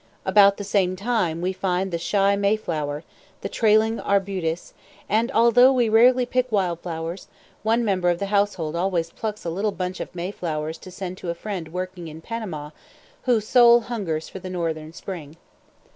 About the same time we find the shy mayflower, the trailing arbutus; and although we rarely pick wild flowers, one member of the household always plucks a little bunch of mayflowers to send to a friend working in Panama, whose soul hungers for the Northern spring.